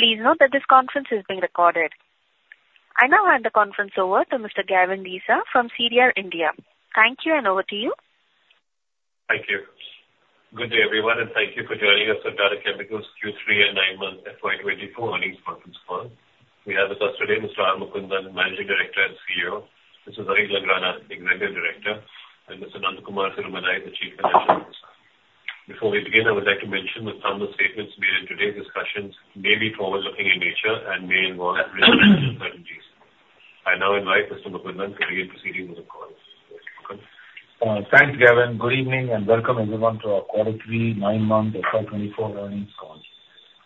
Please note that this conference is being recorded. I now hand the conference over to Mr. Gavin Desa from CDR India. Thank you, and over to you. Thank you. Good day, everyone, and thank you for joining us at Tata Chemicals Q3 and 9-month FY 2024 Earnings Conference Call. We have with us today Mr. R. Mukundan, Managing Director and CEO, Mr. Zarir Langrana, Executive Director, and Mr. Nandakumar Tirumalai, the Chief Financial Officer. Before we begin, I would like to mention that some of the statements made in today's discussions may be forward-looking in nature and may involve risks and uncertainties. I now invite Mr. Mukundan to begin proceedings with the call. Mukundan? Thanks, Gavin. Good evening, and welcome everyone to our quarter three, nine-month FY 2024 earnings call.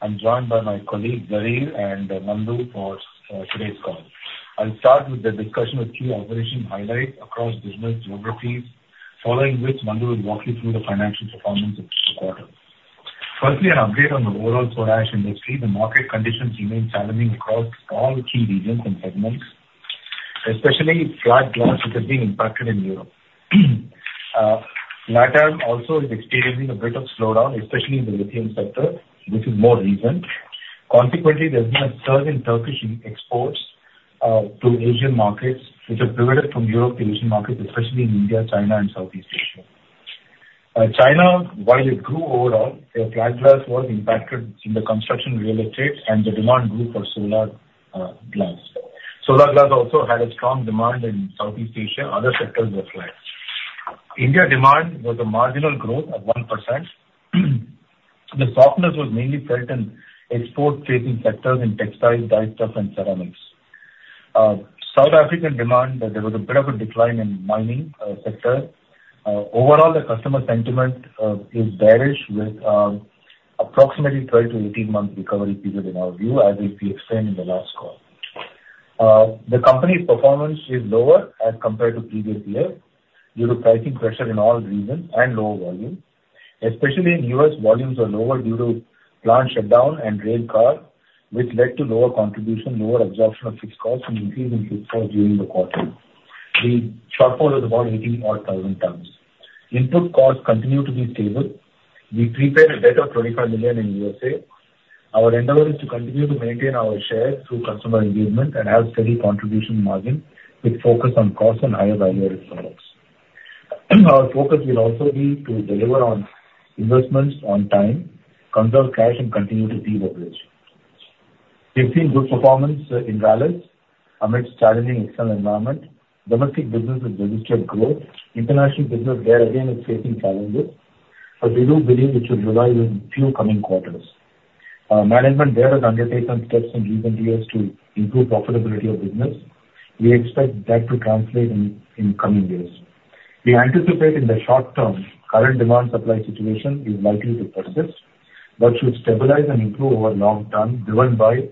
I'm joined by my colleague, Zarir and Nandu for today's call. I'll start with the discussion of key operation highlights across business geographies, following which Nandu will walk you through the financial performance of this quarter. Firstly, an update on the overall soda ash industry. The market conditions remain challenging across all key regions and segments, especially flat glass, which is being impacted in Europe. LATAM also is experiencing a bit of slowdown, especially in the lithium sector, which is more recent. Consequently, there's been a surge in Turkish exports to Asian markets, which have diverted from Europe to Asian markets, especially in India, China, and Southeast Asia. China, while it grew overall, flat glass was impacted in the construction real estate, and the demand grew for solar glass. Solar glass also had a strong demand in Southeast Asia; other sectors were flat. India demand was a marginal growth of 1%. The softness was mainly felt in export-facing sectors, in textiles, dyestuffs, and ceramics. South African demand, there was a bit of a decline in mining sector. Overall, the customer sentiment is bearish, with approximately 12-18 month recovery period in our view, as we explained in the last call. The company's performance is lower as compared to previous year due to pricing pressure in all regions and lower volume. Especially in U.S., volumes are lower due to plant shutdown and rail car, which led to lower contribution, lower absorption of fixed costs, and increase in fixed cost during the quarter. The shortfall was about 18,000 tons. Input costs continue to be stable. We prepaid a debt of $25 million in U.S.A. Our endeavor is to continue to maintain our share through customer engagement and have steady contribution margin, with focus on cost and higher value-added products. Our focus will also be to deliver on investments on time, conserve cash, and continue to de-leverage. We've seen good performance in salt amidst challenging external environment. Domestic business has registered growth. International business there, again, is facing challenges, but we do believe it should revive in few coming quarters. Management there has undertaken steps in recent years to improve profitability of business. We expect that to translate in coming years. We anticipate in the short term, current demand supply situation is likely to persist, but should stabilize and improve over long term, driven by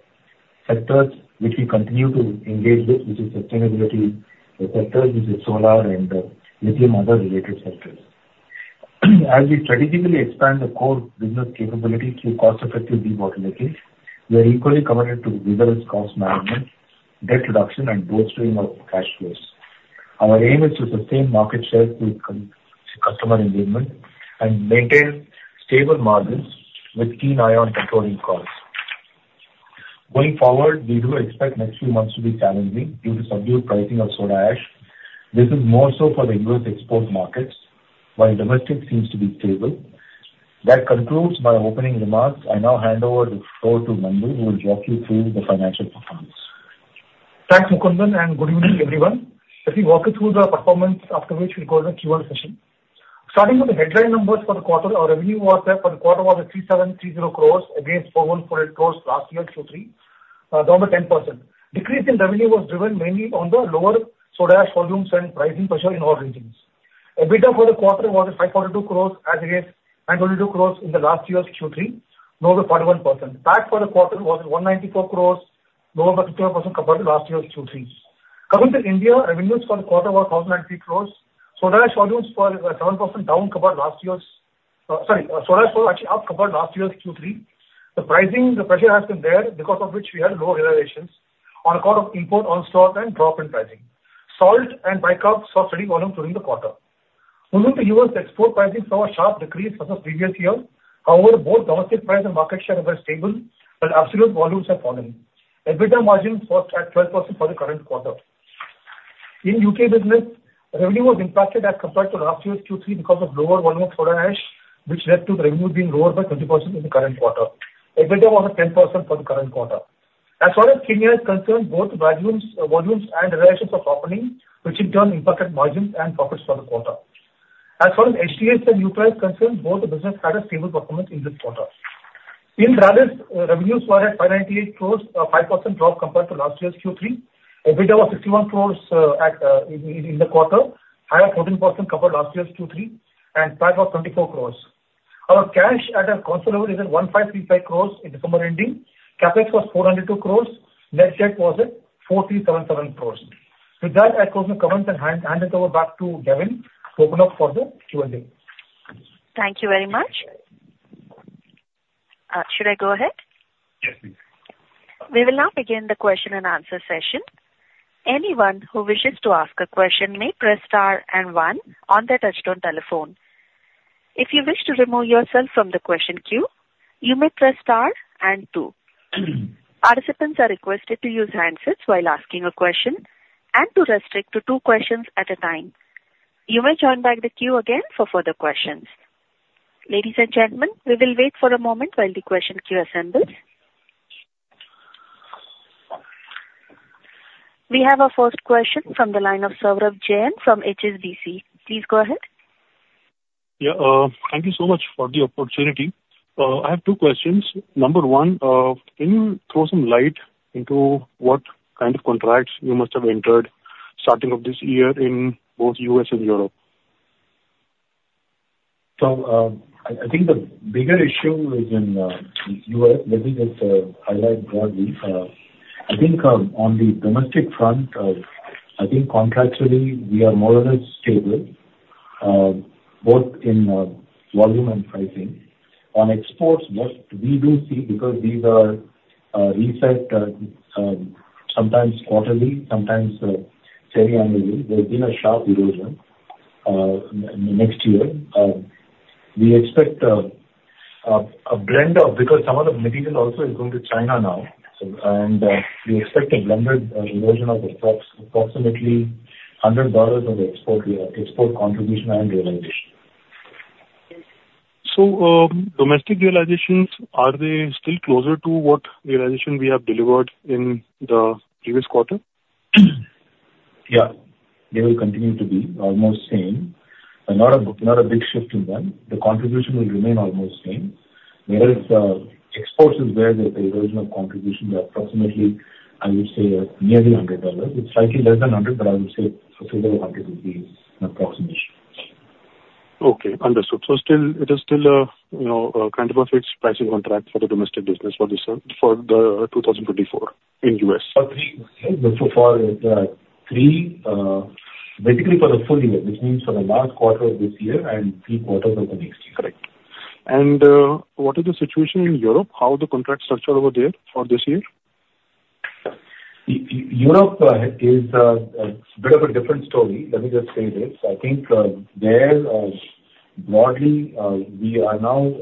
sectors which we continue to engage with, which is sustainability, sectors, which is solar and, lithium, other related sectors. As we strategically expand the core business capability through cost-effective de-bottlenecking, we are equally committed to vigorous cost management, debt reduction, and downstream of cash flows. Our aim is to sustain market share with customer engagement and maintain stable margins with keen eye on controlling costs. Going forward, we do expect next few months to be challenging due to subdued pricing of soda ash. This is more so for the export markets, while domestic seems to be stable. That concludes my opening remarks. I now hand over the floor to Nandu, who will walk you through the financial performance. Thanks, Mukundan, and good evening, everyone. Let me walk you through the performance, after which we'll go to the Q&A session. Starting with the headline numbers for the quarter, our revenue was for the quarter 3,730 crores against 4,148 crores last year, Q3, down by 10%. Decrease in revenue was driven mainly on the lower soda ash volumes and pricing pressure in all regions. EBITDA for the quarter was 502 crores, as against 902 crores in the last year's Q3, down by 41%. Tax for the quarter was 194 crores, down by 51% compared to last year's Q3. Coming to India, revenues for the quarter were 1,003 crores. soda ash volumes were 7% down compared last year's soda ash were actually up compared to last year's Q3. The pricing, the pressure has been there, because of which we had lower realizations on account of import on stock and drop in pricing. Salt and bicarb saw steady volume during the quarter. Moving to U.S., export pricing saw a sharp decrease versus previous year. However, both domestic price and market share were stable, but absolute volumes are falling. EBITDA margin was at 12% for the current quarter. In U.K. business, revenue was impacted as compared to last year's Q3 because of lower volume of soda ash, which led to the revenue being lower by 20% in the current quarter. EBITDA was at 10% for the current quarter. As far as Kenya is concerned, both volumes and realizations were softening, which in turn impacted margins and profits for the quarter. As far as HDS and Nutraceuticals is concerned, both the business had a stable performance in this quarter. In Rallis, revenues were at 598 crore, a 5% drop compared to last year's Q3. EBITDA was 61 crore in the quarter, higher 14% compared to last year's Q3, and profit of 24 crore. Our cash at a consolidated level is at 1,535 crore in December ending. CapEx was 402 crore. Net debt was at 4,377 crore. With that, I close my comments and hand it over back to Gavin to open up for the Q&A. Thank you very much. Should I go ahead? Yes, please. We will now begin the question and answer session. Anyone who wishes to ask a question may press star and one on their touchtone telephone. If you wish to remove yourself from the question queue, you may press star and two. Participants are requested to use handsets while asking a question, and to restrict to two questions at a time. You may join back the queue again for further questions. Ladies and gentlemen, we will wait for a moment while the question queue assembles. We have our first question from the line of Saurabh Jain from HSBC. Please go ahead. Yeah, thank you so much for the opportunity. I have two questions. Number one, can you throw some light into what kind of contracts you must have entered starting of this year in both U.S. and Europe? So, I think the bigger issue is in the U.S. Let me just highlight broadly. I think on the domestic front, I think contractually we are more or less stable, both in volume and pricing. On exports, what we do see, because these are reset sometimes quarterly, sometimes semi-annually, there's been a sharp erosion in the next year. We expect a blend of, because some of the material also is going to China now, so, and we expect a blended erosion of approximately $100 of export contribution and realization. Domestic realizations, are they still closer to what realization we have delivered in the previous quarter? Yeah. They will continue to be almost same. Not a, not a big shift in them. The contribution will remain almost same. Whereas, exports is where the erosion of contribution is approximately, I would say, nearly $100. It's slightly less than $100, but I would say approximately $100 would be an approximation. Okay, understood. So still, it is still, you know, kind of a fixed pricing contract for the domestic business for this, for the 2024 in U.S. For 3. So for 3, basically for the full year, which means for the last quarter of this year and 3 quarters of the next year. Correct. And, what is the situation in Europe? How are the contracts structured over there for this year? Europe is a bit of a different story. Let me just say this, I think, there, broadly, we are now,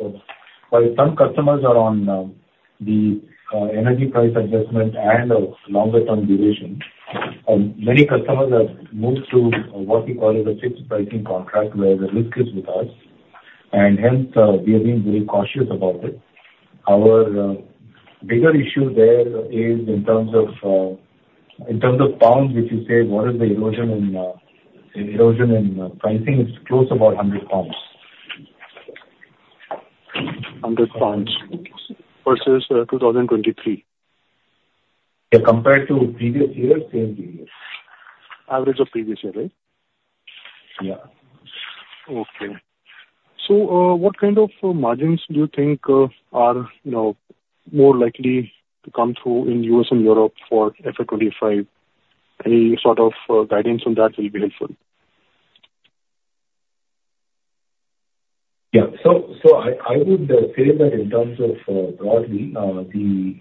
while some customers are on, the, energy price adjustment and a longer term duration, many customers have moved to what we call as a fixed pricing contract, where the risk is with us, and hence, we have been very cautious about it. Our, bigger issue there is in terms of, in terms of pounds, if you say, what is the erosion in, erosion in pricing, it's close to about 100 pounds. GBP 100 versus 2023? Yeah, compared to previous year, same period. Average of previous year, right? Yeah. Okay. So, what kind of margins do you think are, you know, more likely to come through in U.S. and Europe for FY 2025? Any sort of guidance on that will be helpful. Yeah. So, I would say that in terms of, broadly, the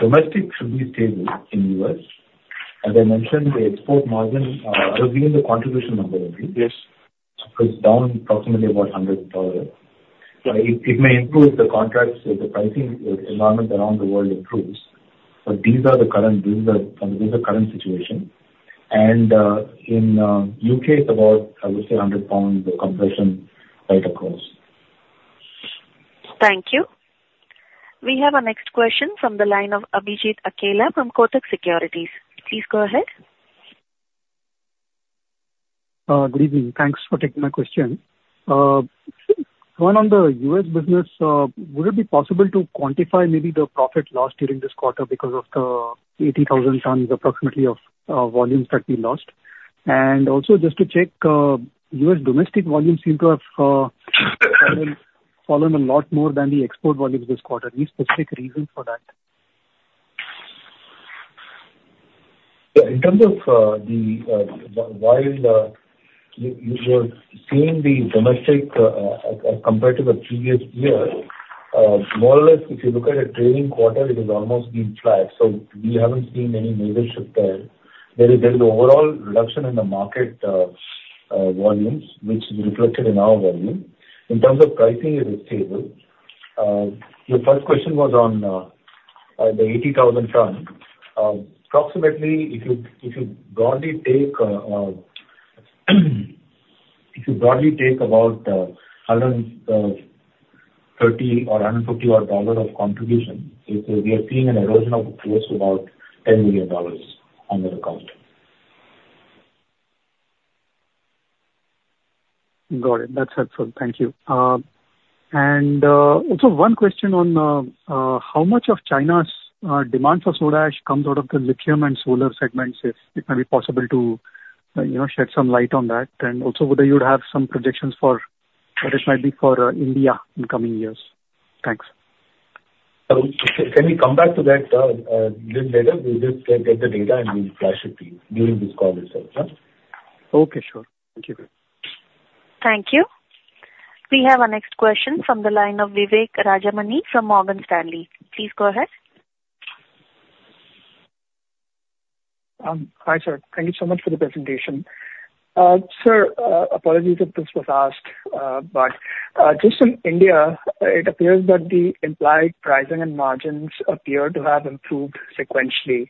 domestic should be stable in U.S. As I mentioned, the export margin, I've given the contribution number already. Yes. It's down approximately about $100. Yeah. It may improve the contracts as the pricing environment around the world improves, but these are the current situation. And in U.K. it's about, I would say, 100 pounds compression right across. Thank you. We have our next question from the line of Abhijit Akella from Kotak Securities. Please go ahead. Good evening. Thanks for taking my question. One on the U.S. business, would it be possible to quantify maybe the profit lost during this quarter because of the 80,000 tons approximately of volumes that we lost? And also just to check, U.S. domestic volumes seem to have fallen a lot more than the export volumes this quarter. Any specific reason for that? Yeah, in terms of the while you are seeing the domestic compared to the previous year more or less, if you look at a trading quarter, it has almost been flat, so we haven't seen any major shift there. There is an overall reduction in the market volumes, which is reflected in our volume. In terms of pricing, it is stable. Your first question was on the 80,000 ton. Approximately, if you broadly take about 130 or 150 odd dollar of contribution, we are seeing an erosion of close to about $10 million on that account. Got it. That's helpful. Thank you. And also one question on how much of China's demand for Soda Ash comes out of the lithium and solar segments, if it may be possible to, you know, shed some light on that? And also, whether you would have some projections for what it might be for India in coming years. Thanks. Can we come back to that little later? We'll just get the data, and we'll flash it to you during this call itself, huh? Okay, sure. Thank you. Thank you. We have our next question from the line of Vivek Rajamani from Morgan Stanley. Please go ahead. Hi, sir. Thank you so much for the presentation. Sir, apologies if this was asked, but just in India, it appears that the implied pricing and margins appear to have improved sequentially.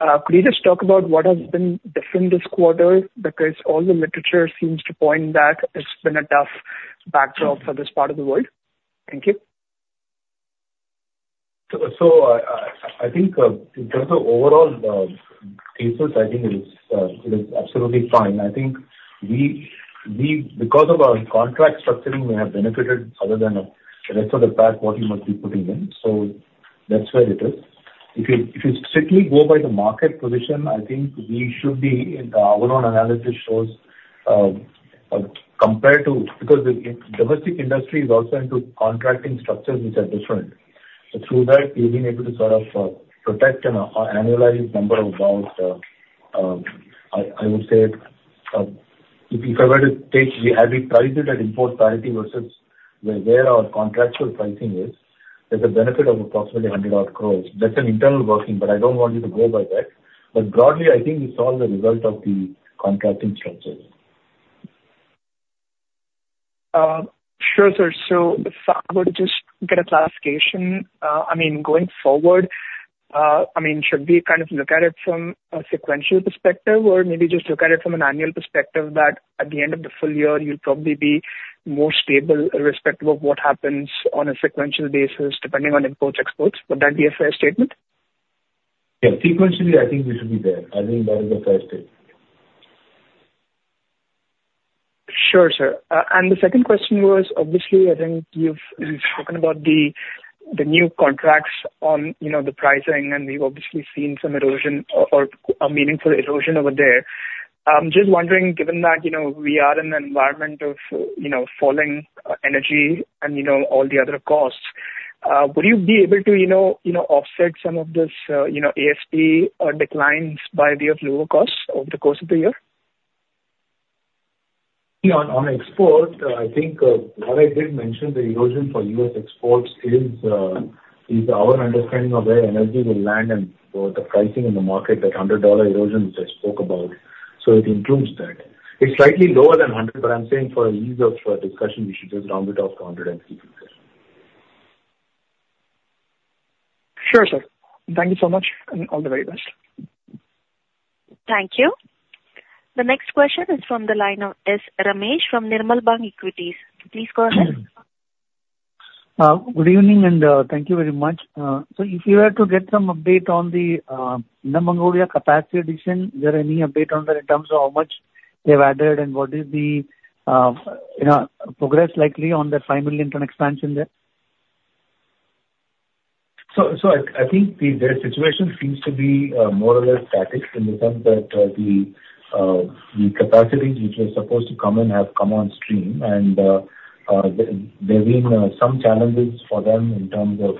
Could you just talk about what has been different this quarter? Because all the literature seems to point that it's been a tough backdrop for this part of the world. Thank you. I think in terms of overall business, I think it is absolutely fine. I think we, because of our contract structuring, we have benefited other than the rest of the pack, what you might be putting in, so that's where it is. If you strictly go by the market position, I think we should be, and our own analysis shows compared to. Because the domestic industry is also into contracting structures which are different. So through that, we've been able to sort of protect a annualized number of about, I would say, if you were to take the as we price it at import parity versus where our contractual pricing is, there's a benefit of approximately 100 crore. That's an internal working, but I don't want you to go by that. But broadly, I think it's all the result of the contracting structures. Sure, sir. So if I were to just get a classification, I mean, going forward, I mean, should we kind of look at it from a sequential perspective, or maybe just look at it from an annual perspective, that at the end of the full year, you'll probably be more stable, irrespective of what happens on a sequential basis, depending on imports, exports. Would that be a fair statement? Yeah. Sequentially, I think we should be there. I think that is the first step. Sure, sir. And the second question was, obviously, I think you've spoken about the new contracts on, you know, the pricing, and we've obviously seen some erosion or a meaningful erosion over there. Just wondering, given that, you know, we are in an environment of, you know, falling energy and, you know, all the other costs, would you be able to, you know, offset some of this, you know, ASP declines by way of lower costs over the course of the year? Yeah, on export, I think what I did mention, the erosion for U.S. exports is our understanding of where energy will land and the pricing in the market, that $100 erosion which I spoke about, so it includes that. It's slightly lower than 100, but I'm saying for ease of discussion, we should just round it off to 100 and keep it there. Sure, sir. Thank you so much, and all the very best. Thank you. The next question is from the line of S. Ramesh from Nirmal Bang Equities. Please go ahead. Good evening, and thank you very much. So if you were to get some update on the Inner Mongolia capacity addition, is there any update on that in terms of how much they've added and what is the, you know, progress likely on that 5 million ton expansion there? So I think the situation seems to be more or less static in the sense that the capacity which was supposed to come in has come on stream. And there have been some challenges for them in terms of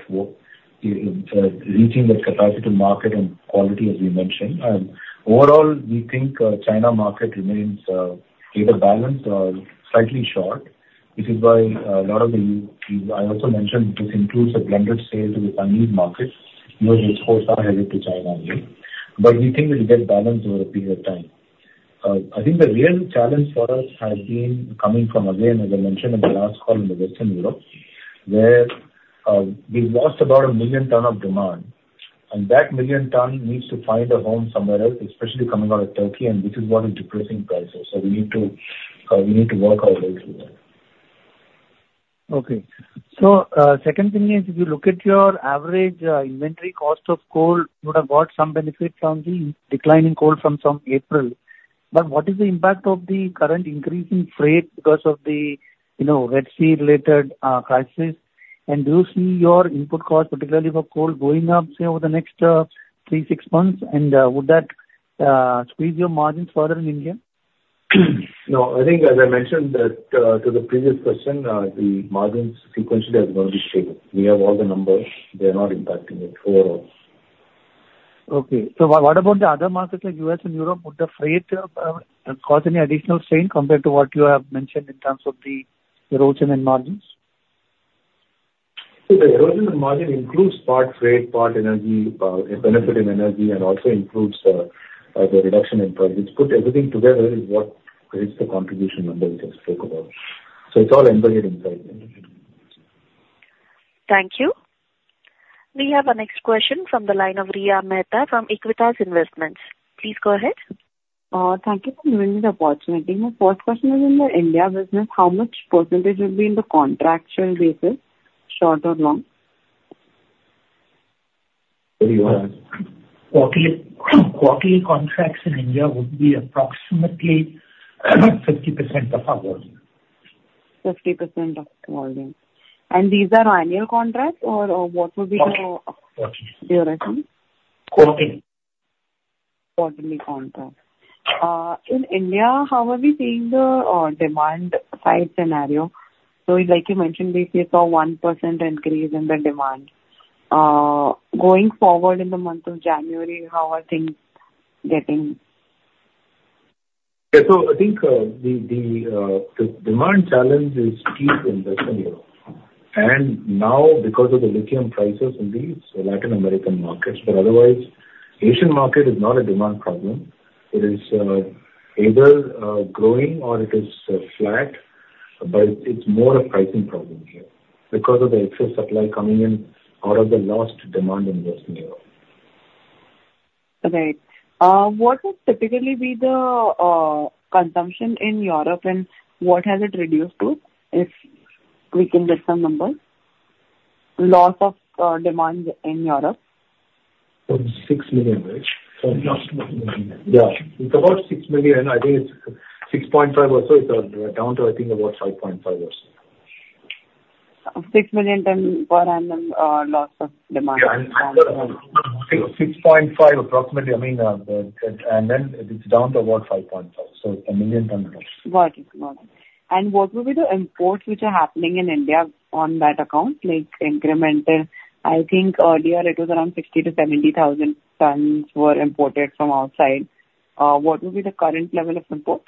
reaching the capacity to market and quality, as you mentioned. And overall, we think China market remains either balanced or slightly short. This is why a lot of the. I also mentioned this includes the blended sales in the end markets, where exports are headed to China again. But we think it will get balanced over a period of time. I think the real challenge for us has been coming from, again, as I mentioned in the last call, in Western Europe, where we lost about 1 million tons of demand. That 1 million ton needs to find a home somewhere else, especially coming out of Turkey, and this is what is depressing prices. So we need to work our way through that. Okay. So, second thing is, if you look at your average, inventory cost of coal, you would have got some benefit from the decline in coal from September. But what is the impact of the current increase in freight because of the, you know, Red Sea related, crisis? And do you see your input cost, particularly for coal, going up, say, over the next, 3, 6 months? And, would that, squeeze your margins further in India? No, I think as I mentioned that, to the previous question, the margins sequentially have been stable. We have all the numbers. They are not impacting it overall. Okay. What about the other markets like U.S. and Europe? Would the freight cause any additional strain compared to what you have mentioned in terms of the erosion in margins? The erosion in margin includes part freight, part energy, a benefit in energy, and also includes the reduction in price. Which, put everything together, is what creates the contribution number we just spoke about, so it's all embedded inside. Thank you. We have our next question from the line of Riya Mehta from Aequitas Investments. Please go ahead. Thank you for giving me the opportunity. My first question is in the India business, how much percentage would be in the contractual basis, short or long? Quarterly, quarterly contracts in India would be approximately 50% of our volume. 50% of the volume. These are annual contracts or, what would be the- Quarterly. -your estimate? Quarterly. Quarterly contracts. In India, how are we seeing the demand side scenario? So like you mentioned, we saw 1% increase in the demand. Going forward in the month of January, how are things getting? Yeah, so I think the demand challenge is key in Western Europe. Now, because of the lithium prices in the Latin American markets, but otherwise, Asian market is not a demand problem. It is either growing or it is flat, but it's more a pricing problem here because of the excess supply coming in out of the lost demand in Western Europe. Right. What would typically be the consumption in Europe, and what has it reduced to, if we can get some numbers? Loss of demand in Europe. 6 million, right? Yeah, it's about 6 million. I think it's 6.5 or so. It's down to, I think about 5.5 or so. 6 million tons per annum loss of demand. Yeah, 6.5, approximately. I mean, and then it's down to about 5.5, so it's 1 million ton less. Got it. Got it. What will be the imports which are happening in India on that account, like incremental? I think earlier it was around 60,000-70,000 tons were imported from outside. What will be the current level of imports?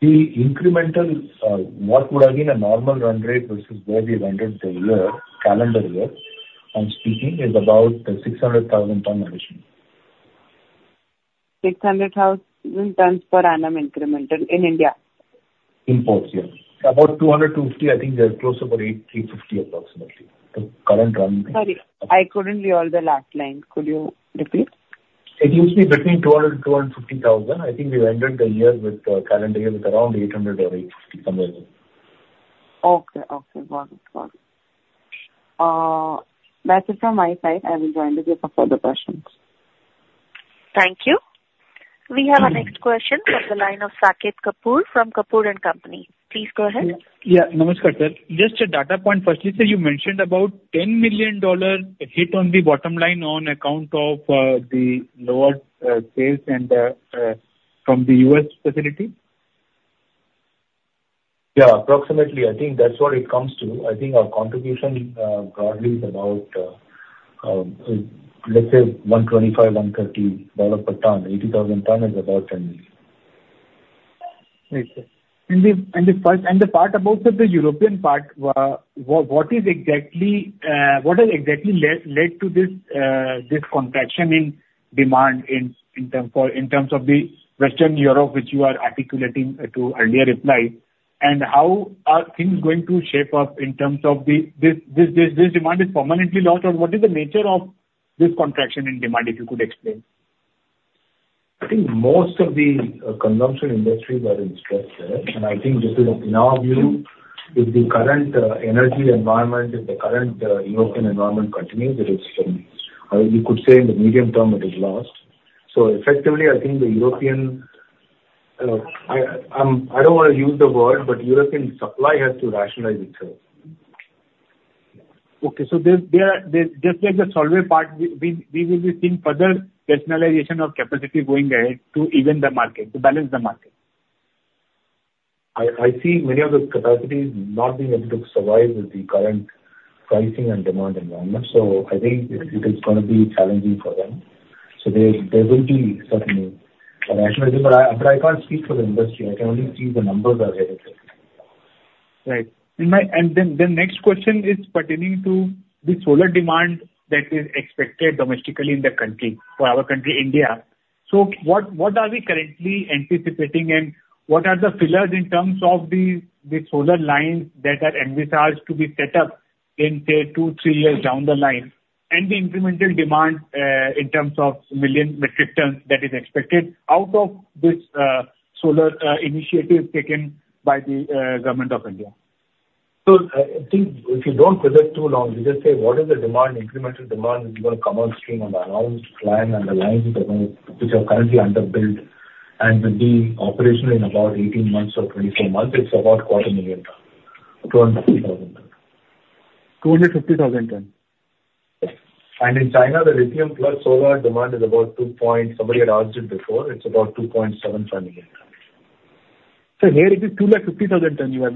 The incremental, what would have been a normal run rate versus where we ended the year, calendar year, I'm speaking, is about 600,000 ton emission. 600,000 tons per annum incremental in India? Imports, yes. About 200-250, I think they're close to about 830-850, approximately. The current run rate. Sorry, I couldn't hear all the last line. Could you repeat? It used to be between 200, 250 thousand. I think we ended the year with calendar year with around 800 or 850, somewhere there. Okay. Okay. Got it. Got it. That's it from my side. I will join the queue for further questions. Thank you. We have our next question on the line of Saket Kapoor from Kapoor & Company. Please go ahead. Yeah. Namaskar, sir. Just a data point. Firstly, sir, you mentioned about $10 million hit on the bottom line on account of the lower sales and from the U.S. facility. Yeah, approximately. I think that's what it comes to. I think our contribution, broadly, is about, let's say $125-$130 per ton. 80,000 tons is about $10 million. Right, sir. And the part about the European part, what is exactly what has exactly led to this contraction in demand in terms of Western Europe, which you are articulating to earlier reply? And how are things going to shape up in terms of the. This demand is permanently lost, or what is the nature of this contraction in demand, if you could explain? I think most of the consumption industries are in stress there. And I think just in our view, if the current energy environment, if the current European environment continues, it is, you could say in the medium term, it is lost. So effectively, I think the European, I don't want to use the word, but European supply has to rationalize itself. Okay, so there, just like the Solvay part, we will be seeing further rationalization of capacity going ahead to even the market, to balance the market. I see many of those capacities not being able to survive with the current pricing and demand environment, so I think it is gonna be challenging for them. So there will be certainly a rationalization, but I can't speak for the industry. I can only give you the numbers I have. Right. The next question is pertaining to the solar demand that is expected domestically in the country, for our country, India. So what are we currently anticipating, and what are the pillars in terms of the solar lines that are envisaged to be set up in, say, two, three years down the line, and the incremental demand in terms of million metric tons that is expected out of this solar initiative taken by the government of India? So I think if you don't predict too long, you just say what the incremental demand is going to come on stream on the announced line and the lines which are currently under built and will be operational in about 18 months or 24 months, it's about 250,000 tons, 250,000 tons. 250,000 tons? Yes. And in China, the lithium plus solar demand is about 2.7. Somebody had asked it before. It's about 2.7 tons a year. Here it is 250,000 ton you are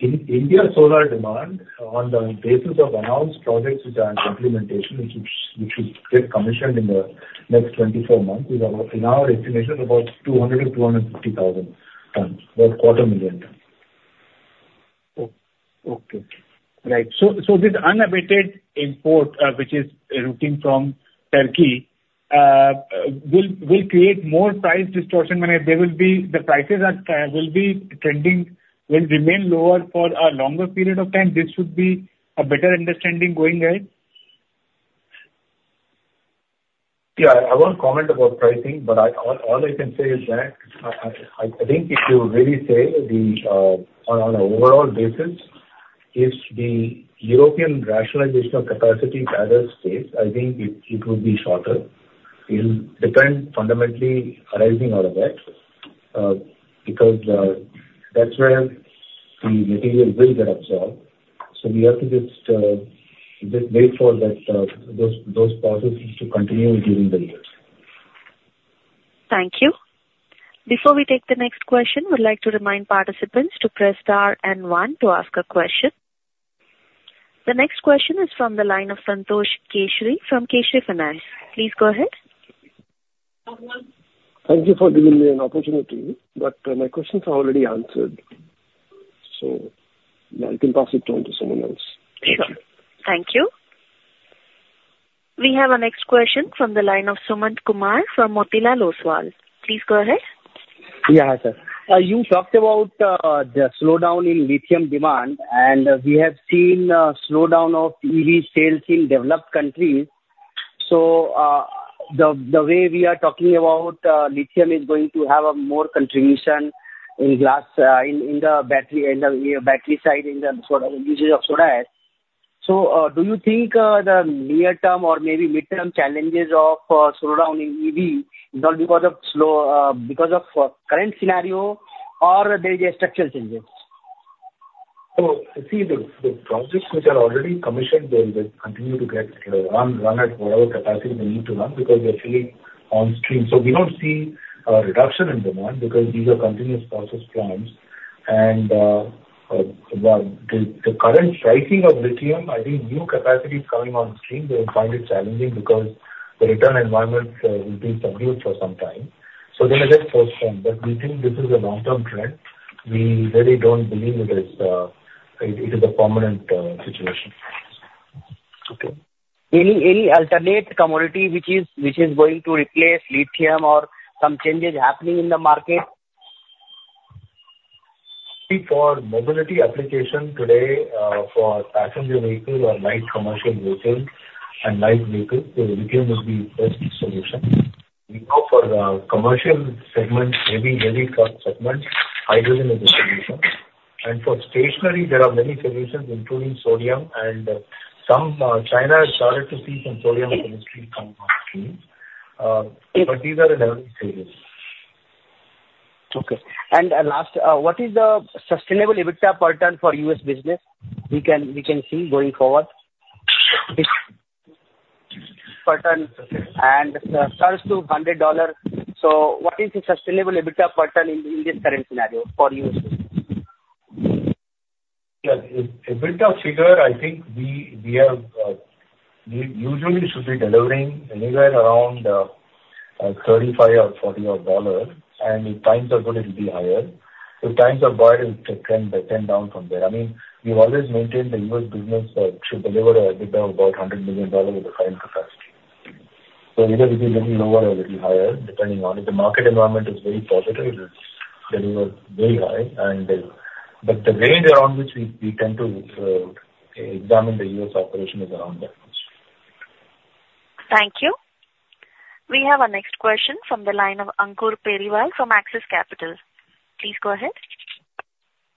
mentioning. In India, solar demand on the basis of announced projects which are in implementation, which will get commissioned in the next 24 months, is about, in our estimation, about 200-250,000 tons, about quarter million tons. Oh, okay. Right. So this unabated import, which is routing from Turkey, will create more price distortion when the prices will be trending, will remain lower for a longer period of time. This would be a better understanding going ahead? Yeah. I won't comment about pricing, but all I can say is that I think if you really say on an overall basis, if the European rationalization of capacity rather stays, I think it would be shorter. It'll depend fundamentally arising out of that, because that's where the material will get absorbed. So we have to just wait for that, those processes to continue during the years. Thank you. Before we take the next question, I would like to remind participants to press star and one to ask a question. The next question is from the line of Santosh Keshri from Kesari Finance. Please go ahead. Thank you for giving me an opportunity, but, my questions are already answered, so you can pass it on to someone else. Sure. Thank you. We have our next question from the line of Sumant Kumar from Motilal Oswal. Please go ahead. Yeah, hi, sir. You talked about the slowdown in lithium demand, and we have seen a slowdown of EV sales in developed countries. So, the way we are talking about lithium is going to have a more contribution in glass, in the battery side, in the sort of uses of soda ash. So, do you think the near term or maybe midterm challenges of slowdown in EV is not because of slow because of current scenario or there is a structural changes? So you see the projects which are already commissioned, they will continue to get, you know, run at whatever capacity they need to run, because they're actually on stream. So we don't see a reduction in demand because these are continuous process plants. And, well, the current pricing of lithium, I think new capacities coming on stream, they will find it challenging because the return environments will be subdued for some time. So they may get postponed, but we think this is a long-term trend. We really don't believe that there is, it is a permanent situation. Okay. Any alternate commodity which is going to replace lithium or some changes happening in the market? For mobility application today, for passenger vehicles or light commercial vehicles and light vehicles, so lithium will be the best solution. We go for, commercial segments, heavy, heavy truck segments, hydrogen is the solution. And for stationary, there are many solutions, including sodium and, some, China has started to see some sodium industry come on stream. But these are developing solutions. Okay. And last, what is the sustainable EBITDA per ton for U.S. business? We can see going forward. Per ton and sells to $100. So what is the sustainable EBITDA per ton in this current scenario for you? Yes. EBITDA figure, I think we have we usually should be delivering anywhere around 35 or 40-odd dollars, and if times are good, it will be higher. If times are bad, it can depend down from there. I mean, we've always maintained the U.S. business should deliver a EBITDA of about $100 million with the current capacity. So either it'll be a little lower or a little higher, depending on if the market environment is very positive, it's delivered very high, and but the range around which we tend to examine the U.S. operation is around that much. Thank you. We have our next question from the line of Ankur Periwal from Axis Capital. Please go ahead.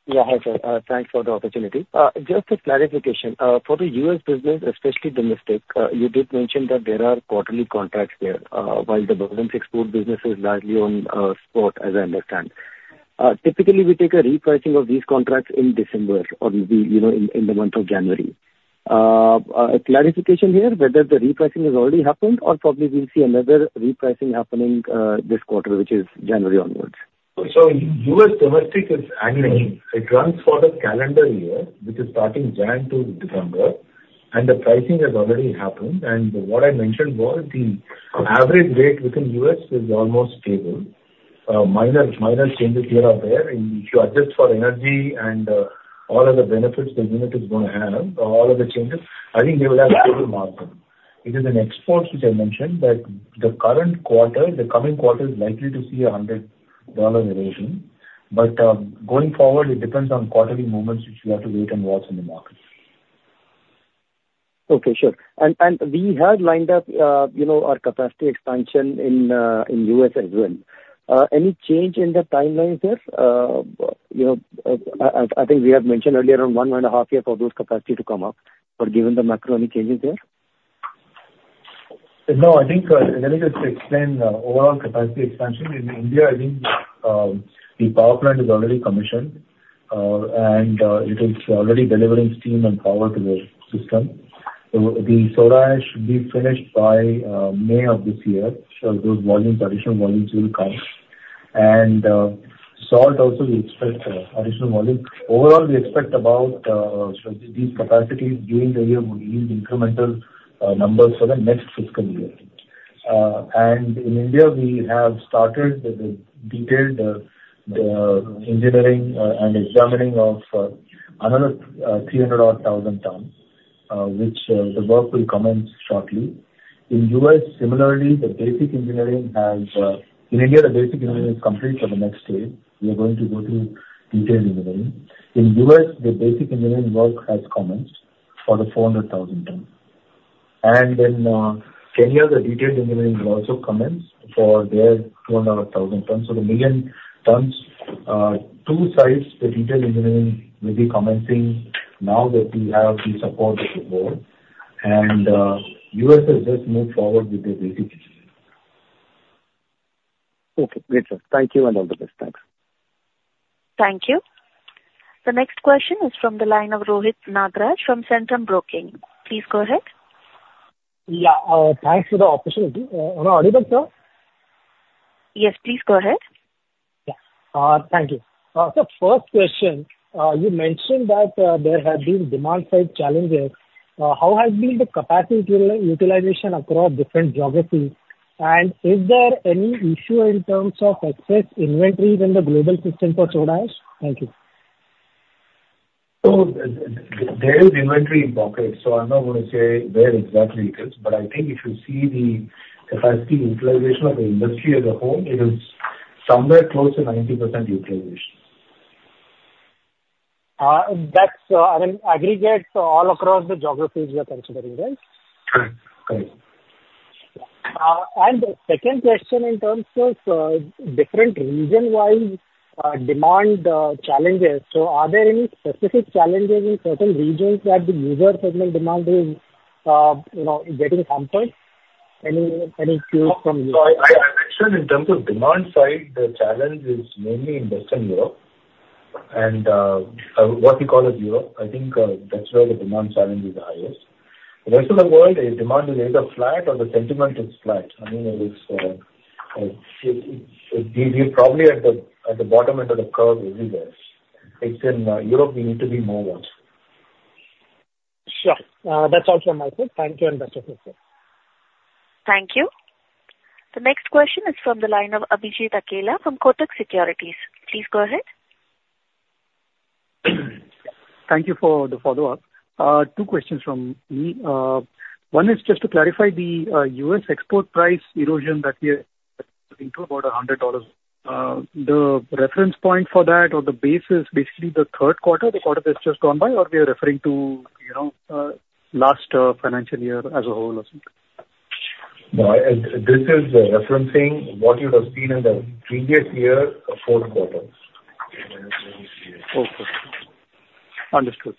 Yeah, hi, sir. Thanks for the opportunity. Just a clarification for the U.S. business, especially domestic, you did mention that there are quarterly contracts there, while the balance export business is largely on spot, as I understand. Typically, we take a repricing of these contracts in December or, you know, in the month of January. A clarification here, whether the repricing has already happened or probably we'll see another repricing happening this quarter, which is January onwards. So U.S. domestic is annual. It runs for the calendar year, which is starting January to December, and the pricing has already happened. And what I mentioned was the average rate within U.S. is almost stable. Minor, minor changes here or there, and if you adjust for energy and all other benefits the unit is going to have, all of the changes, I think they will have stable margin. It is in exports, which I mentioned, that the current quarter, the coming quarter is likely to see a $100 erosion. But, going forward, it depends on quarterly movements, which we have to wait and watch in the market. Okay, sure. And we had lined up, you know, our capacity expansion in U.S. as well. Any change in the timelines there, you know? I think we have mentioned earlier around 1.5 years for those capacity to come up, but given the macro, any changes there? No, I think, let me just explain overall capacity expansion. In India, I think, the power plant is already commissioned, and it is already delivering steam and power to the system. So the soda ash should be finished by May of this year. So those volumes, additional volumes will come. And salt also, we expect additional volumes. Overall, we expect about, so these capacities during the year will yield incremental numbers for the next fiscal year. And in India, we have started the detailed engineering and examining of another 300,000-odd tons, which the work will commence shortly. In U.S., similarly, the basic engineering has... In India, the basic engineering is complete for the next stage. We are going to go to detailed engineering. In U.S., the basic engineering work has commenced for the 400,000 tons. And then, Kenya, the detailed engineering will also commence for their 200,000 tons. So the 1 million tons, two sites, the detailed engineering will be commencing now that we have the support of the board, and, U.S. has just moved forward with the basic engineering. Okay, great, sir. Thank you and all the best. Thanks. Thank you. The next question is from the line of Rohit Nagraj from Centrum Broking. Please go ahead. Yeah, thanks for the opportunity. You are audible, sir? Yes, please go ahead. Yeah. Thank you. First question, you mentioned that there had been demand side challenges. How has been the capacity utilization across different geographies? And is there any issue in terms of excess inventory in the global system for soda ash? Thank you. There is inventory in pockets, so I'm not going to say where exactly it is. But I think if you see the capacity utilization of the industry as a whole, it is somewhere close to 90% utilization. That's, I mean, aggregate all across the geographies you are considering, right? Correct. Correct. And the second question in terms of different region-wide demand challenges. So are there any specific challenges in certain regions where the user segment demand is, you know, getting hampered? Any cues from you? So I mentioned in terms of demand side, the challenge is mainly in Western Europe and what we call as Europe. I think that's where the demand challenge is the highest. The rest of the world, the demand is either flat or the sentiment is flat. I mean, it is, we're probably at the bottom end of the curve everywhere. It's in Europe we need to be more watchful. Sure. That's all from my side. Thank you, and best of luck. Thank you. The next question is from the line of Abhijit Akella from Kotak Securities. Please go ahead. Thank you for the follow-up. Two questions from me. One is just to clarify the U.S. export price erosion that we are looking to, about $100. The reference point for that or the base is basically the third quarter, the quarter that's just gone by, or we are referring to, you know, last financial year as a whole or something? No, this is referencing what you would have seen in the previous year, fourth quarter. Okay. Understood.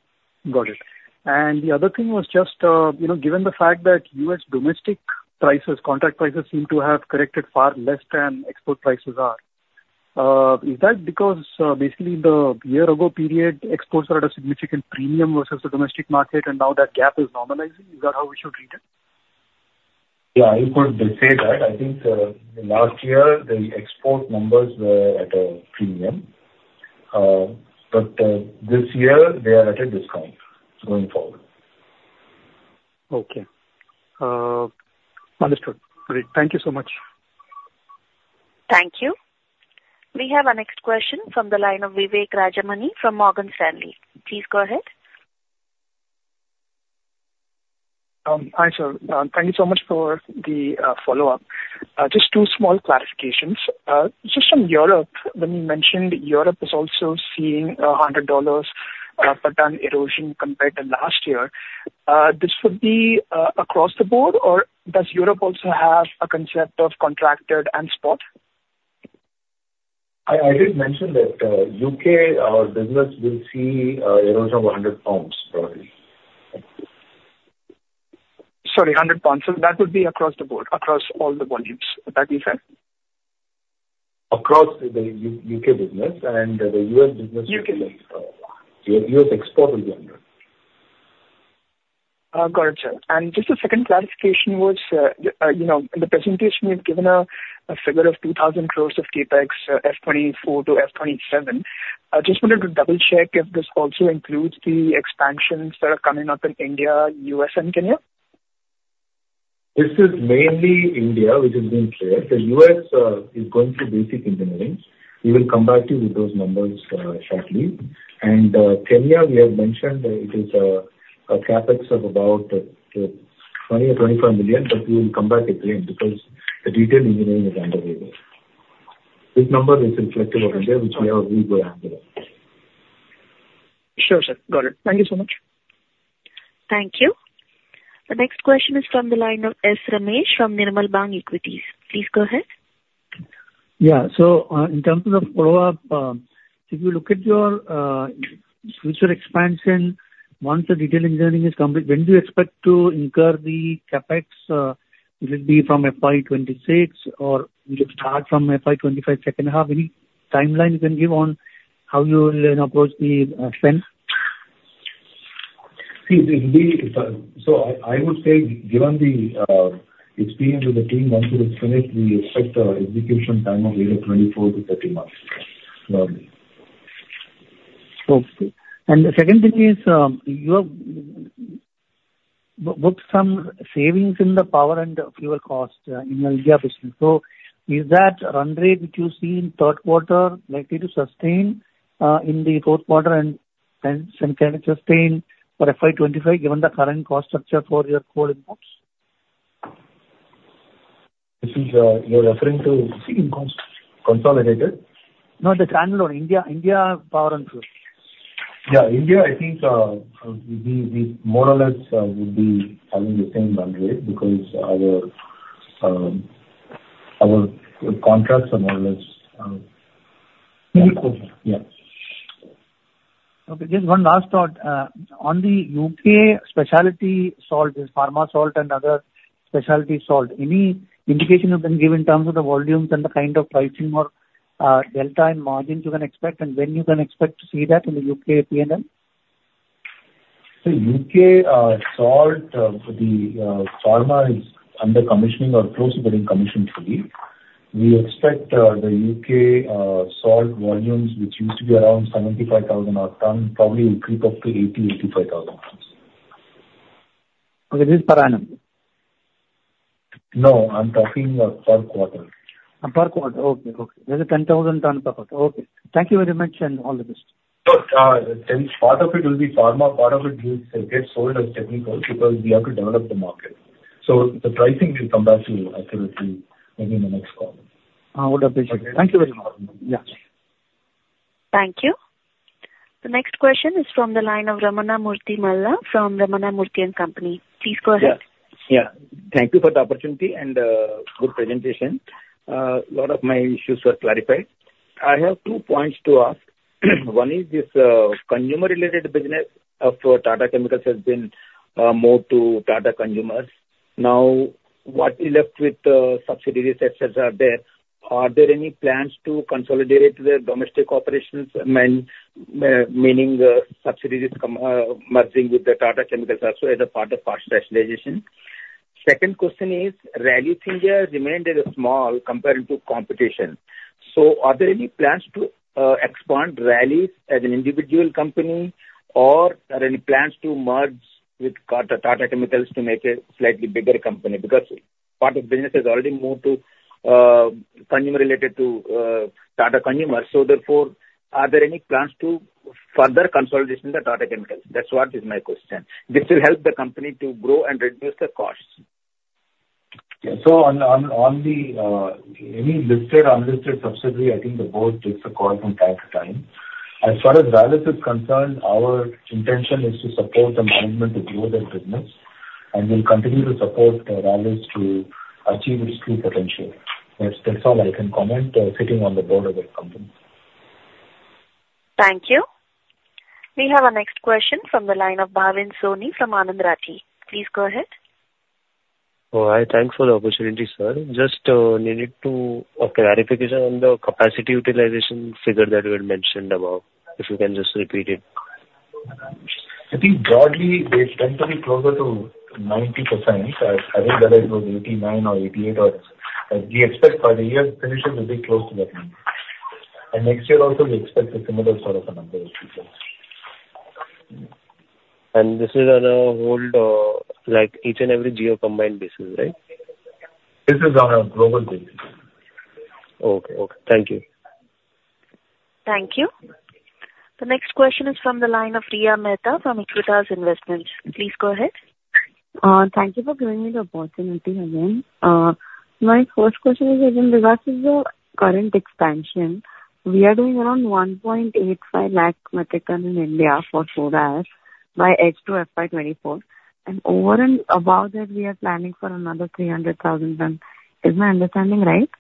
Got it. And the other thing was just, you know, given the fact that U.S. domestic prices, contract prices, seem to have corrected far less than export prices are, is that because, basically the year ago period, exports are at a significant premium versus the domestic market, and now that gap is normalizing? Is that how we should read it? Yeah, you could say that. I think, last year, the export numbers were at a premium, but this year they are at a discount going forward. Okay. Understood. Great. Thank you so much. Thank you. We have our next question from the line of Vivek Rajamani from Morgan Stanley. Please go ahead. Hi, sir. Thank you so much for the follow-up. Just two small clarifications. Just on Europe, when you mentioned Europe is also seeing $100 per ton erosion compared to last year, this would be across the board, or does Europe also have a concept of contracted and spot? I did mention that, U.K., our business will see erosion of 100 pounds, probably. Sorry, 100 pounds. So that would be across the board, across all the volumes that you said? Across the U.K. business and the U.S. business- UK business. U.S. export will be under. Got it, sir. And just a second clarification was, you know, in the presentation, you've given a figure of 2,000 crores of CapEx, FY2024 to FY2027. I just wanted to double-check if this also includes the expansions that are coming up in India, US and Kenya? This is mainly India, which has been clear. The U.S. is going through basic engineering. We will come back to you with those numbers shortly. Kenya, we have mentioned it is a CapEx of about 20 million-24 million, but we will come back again because the detailed engineering is underway there. This number is reflective of India, which we are really good at. Sure, sir. Got it. Thank you so much. Thank you. The next question is from the line of S. Ramesh from Nirmal Bang Equities. Please go ahead. Yeah. So, in terms of follow-up, if you look at your future expansion, once the detailed engineering is complete, when do you expect to incur the CapEx? Will it be from FY 2026, or will it start from FY 2025, second half? Any timeline you can give on how you will, you know, approach the spend? See, so I would say, given the experience with the team, once we finish, we expect an execution time of either 24-30 months, probably. Okay. And the second thing is, you have booked some savings in the power and fuel cost in your India business. So is that run rate, which you see in third quarter, likely to sustain in the fourth quarter and can it sustain for FY 2025, given the current cost structure for your coal imports? This is, you're referring to consolidated? No, the standalone. India, India power and fuel. Yeah, India, I think we more or less would be having the same run rate because our contracts are more or less. Pretty cool. Yeah. Okay, just one last thought. On the U.K. specialty salt, this pharma salt and other specialty salt, any indication you can give in terms of the volumes and the kind of pricing or, delta and margins you can expect, and when you can expect to see that in the U.K. P&L? So U.K. salt, the pharma is under commissioning or close to getting commissioned fully. We expect the U.K. salt volumes, which used to be around 75,000-odd tons, probably will creep up to 80,000-85,000 tons. Okay, this is per annum? No, I'm talking of per quarter. Per quarter, okay. Okay. There's a 10,000 tons per quarter. Okay. Thank you very much, and all the best. Sure. Since part of it will be pharma, part of it will get sold as technical because we have to develop the market. So the pricing will come back to you accurately maybe in the next call. I would appreciate it. Thank you very much. Yeah. Thank you. The next question is from the line of Ramana Murthy Malla from Ramana Murthy and Company. Please go ahead. Yeah. Yeah. Thank you for the opportunity and good presentation. A lot of my issues were clarified. I have two points to ask. One is this, consumer related business after Tata Chemicals has been moved to Tata Consumers. Now, what is left with the subsidiaries, et cetera, are there any plans to consolidate the domestic operations, meaning subsidiaries merging with the Tata Chemicals also as a part of cost rationalization? Second question is, Rallis India remained at a small compared to competition. So are there any plans to expand Rallis as an individual company, or are there any plans to merge with Tata Chemicals to make a slightly bigger company? Because part of business has already moved to consumer related to Tata Consumers. So therefore, are there any plans to further consolidation the Tata Chemicals? That's what is my question. This will help the company to grow and reduce the costs. Yeah. So on the any listed or unlisted subsidiary, I think the board takes a call from time to time. As far as Rallis is concerned, our intention is to support the management to grow their business, and we'll continue to support Rallis to achieve its full potential. That's, that's all I can comment sitting on the board of the company. Thank you. We have our next question from the line of Bhavin Soni from Anand Rathi. Please go ahead. Oh, I thank for the opportunity, sir. Just needed a clarification on the capacity utilization figure that you had mentioned above, if you can just repeat it. I think broadly, they tend to be closer to 90%. I, I think that it was 89% or 88%, or... We expect for the year finishes will be close to that number. Next year also, we expect a similar sort of a number as before. This is on a whole, like, each and every geo combined basis, right? This is on a global basis. Okay. Okay. Thank you. Thank you. The next question is from the line of Riya Mehta from Aequitas Investments. Please go ahead. Thank you for giving me the opportunity again. My first question is in regards to the current expansion, we are doing around 1.85 lakh metric tons in India for soda ash by H2 FY 2024, and over and above that, we are planning for another 300,000 tons. Is my understanding right?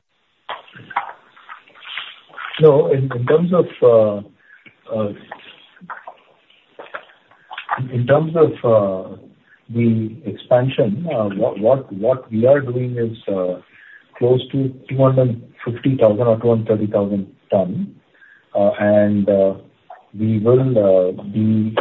So in terms of the expansion, what we are doing is close to 250,000 or 230,000 ton. And we will be-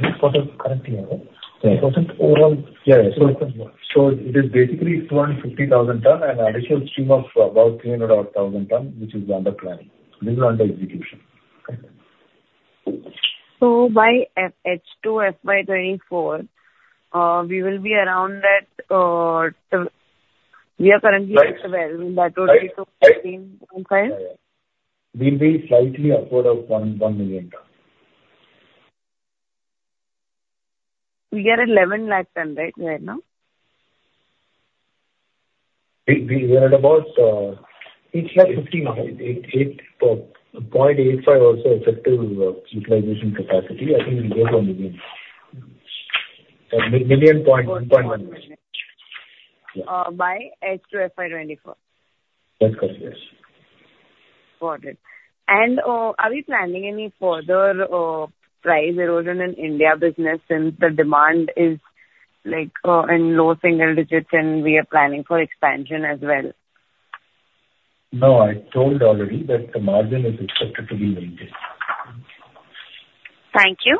This was it currently, right? Yeah. Was it overall? Yeah, yeah So it is basically 250,000 tons and additional stream of about 300,000-odd tons, which is under planning. This is under execution. By FY H2 FY 2024, we will be around that. We are currently at 12. Right. That will be 2:15, okay? Yeah, yeah. We'll be slightly upward of 1.1 million tons. We are at 11 lakh tons, right now? We are at about 850,000 now. 8.85 also effective utilization capacity. I think we went 1 million. 1.1 million. By H2 FY 2024? That's correct, yes. Got it. And, are we planning any further price erosion in India business since the demand is like in low single digits, and we are planning for expansion as well? No, I told already that the margin is expected to be maintained. Thank you.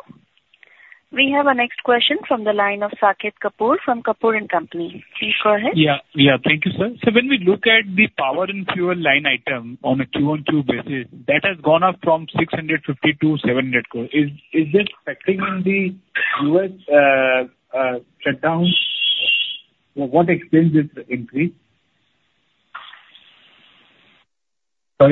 We have our next question from the line of Saket Kapoor from Kapoor & Company. Please go ahead. Yeah, yeah. Thank you, sir. So when we look at the power and fuel line item on a Q-on-Q basis, that has gone up from 650 crore to 700 crore. Is this factoring in the U.S. shutdown? What explains this increase? Sorry, in the? Sir,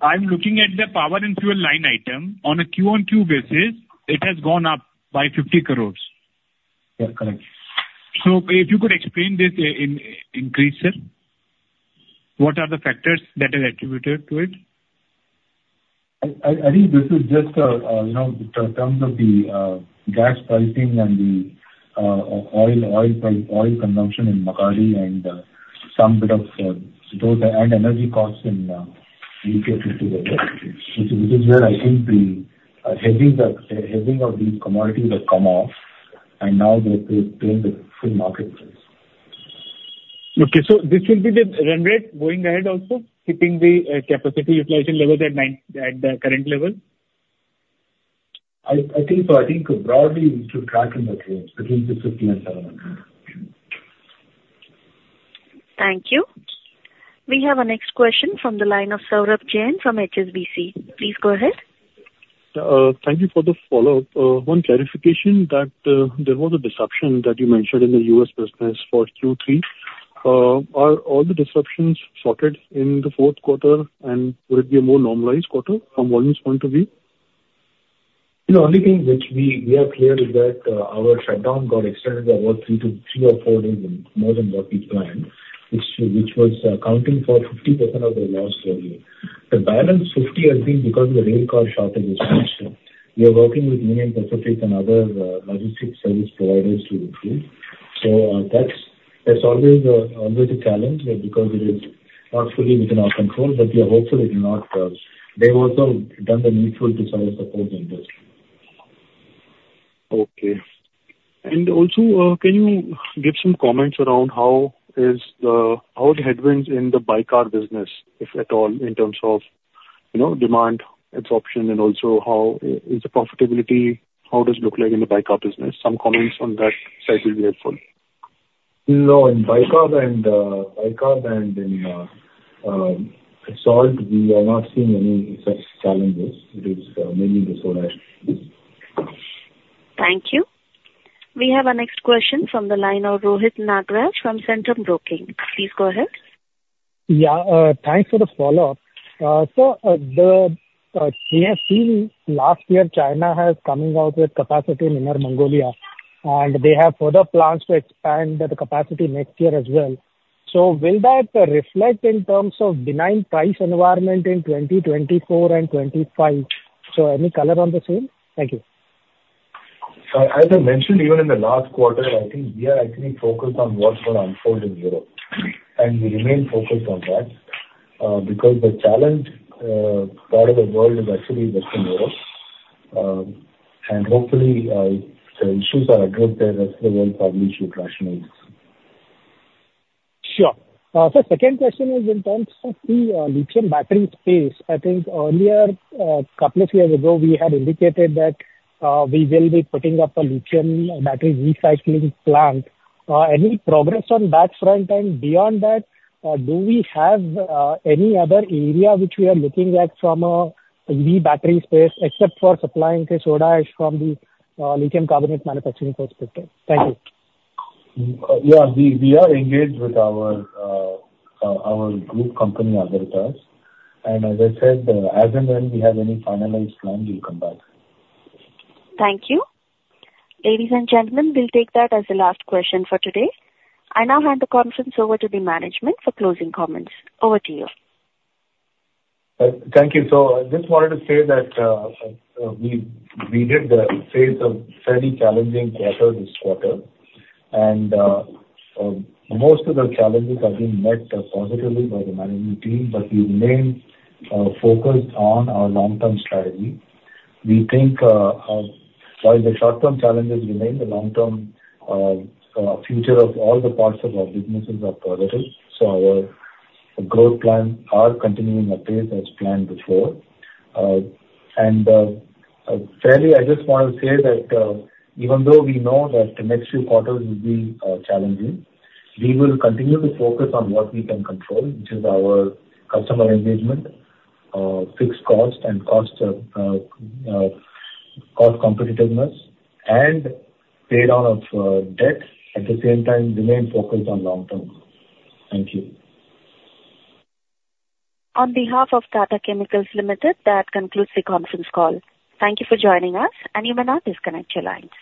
I'm looking at the power and fuel line item. On a Q-on-Q basis, it has gone up by 50 crore. Yeah, correct. If you could explain this increase, sir. What are the factors that are attributed to it? I think this is just, you know, in terms of the gas pricing and the oil consumption in Magadi and some bit of both, and energy costs put together. Which is where I think the heading of the commodity that come off. And now they paying the full market price. Okay, so this will be the run rate going ahead also, keeping the capacity utilization level at nine- at the current level? I think broadly it should track in that range between 50 and 70. Thank you. We have our next question from the line of Saurabh Jain from HSBC. Please go ahead. Thank you for the follow-up. One clarification that there was a disruption that you mentioned in the U.S. business for Q3. Are all the disruptions sorted in the fourth quarter, and will it be a more normalized quarter from volumes point of view? The only thing which we are clear is that our shutdown got extended about 3 to 3 or 4 days more than what we planned, which was accounting for 50% of the loss earlier. The balance 50 has been because of the railcar shortage. We are working with Union Pacific and other logistics service providers to improve. So, that's always a challenge, because it is not fully within our control, but we are hopeful it will not... They've also done the needful to sort of support them as well. Okay. And also, can you give some comments around how is the, how are the headwinds in the bicarb business, if at all, in terms of, you know, demand, absorption, and also how, is the profitability, how does it look like in the bicarb business? Some comments on that side will be helpful. No, in bicarb and salt, we are not seeing any such challenges. It is mainly the soda ash. Thank you. We have our next question from the line of Rohit Nagraj from Centrum Broking. Please go ahead. Yeah, thanks for the follow-up. So, we have seen last year, China has coming out with capacity in Inner Mongolia, and they have further plans to expand the capacity next year as well. So will that reflect in terms of benign price environment in 2024 and 2025? So any color on the same? Thank you. As I mentioned, even in the last quarter, I think we are actually focused on what's gonna unfold in Europe. We remain focused on that, because the challenge part of the world is actually Western Europe. Hopefully, the issues are addressed there, rest of the world probably should rationalize. Sure. So second question is in terms of the lithium battery space. I think earlier couple of years ago, we had indicated that we will be putting up a lithium battery recycling plant. Any progress on that front? And beyond that, do we have any other area which we are looking at from a lithium battery space, except for supplying the soda ash from the lithium carbonate manufacturing perspective? Thank you. Yeah, we are engaged with our group company, Agratas. And as I said, as and when we have any finalized plan, we'll come back. Thank you. Ladies and gentlemen, we'll take that as the last question for today. I now hand the conference over to the management for closing comments. Over to you. Thank you. So I just wanted to say that we did a phase of fairly challenging quarter this quarter, and most of the challenges have been met positively by the management team, but we remain focused on our long-term strategy. We think while the short-term challenges remain, the long-term future of all the parts of our businesses are positive, so our growth plan are continuing apace as planned before. And fairly, I just want to say that even though we know that the next few quarters will be challenging, we will continue to focus on what we can control, which is our customer engagement, fixed cost and cost competitiveness, and pay down of debt, at the same time, remain focused on long term. Thank you. On behalf of Tata Chemicals Limited, that concludes the conference call. Thank you for joining us, and you may now disconnect your lines.